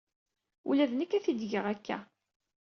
Ula d nekk ad t-id-geɣ akka.